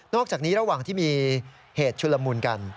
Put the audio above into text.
จากนี้ระหว่างที่มีเหตุชุลมุนกัน